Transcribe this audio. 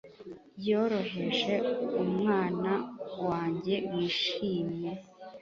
yoroheje mwana wanjye wishimye